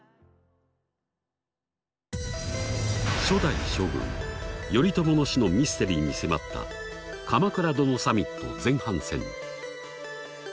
初代将軍頼朝の死のミステリーに迫った「鎌倉殿サミット」前半戦。